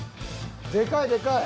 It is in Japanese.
でかいでかい！